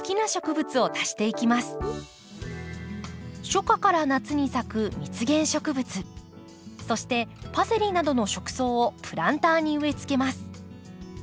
初夏から夏に咲く蜜源植物そしてパセリなどの食草をプランターに植えつけます。